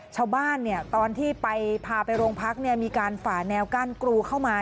ชาวบ้านตอนที่ไปพาไปโรงพักมีการฝ่าแนวกั้นกรูเข้ามา